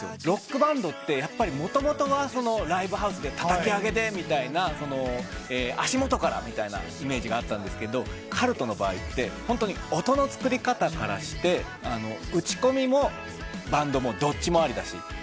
ロックバンドってもともとはライブハウスでたたき上げでみたいな足元からみたいなイメージがあったんですけどＣＶＬＴＥの場合ってホントに音の作り方からして打ち込みもバンドもどっちもありだし。